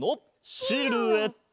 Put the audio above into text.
シルエット！